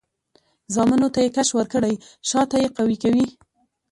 زامنو ته یې کش ورکړی؛ شاته یې قوي کوي.